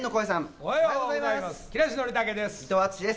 おはようございます。